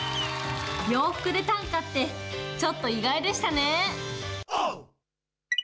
洋服で担架って、ちょっと意外でしたね。